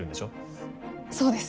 そうです